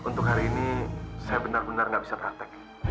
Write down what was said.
untuk hari ini saya benar benar nggak bisa praktek